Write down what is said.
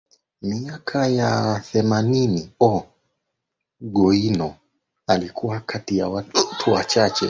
miaka ya themanini O Goiano alikuwa kati ya watu wachache